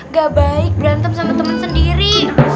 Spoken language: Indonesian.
gak baik berantem sama temen sendiri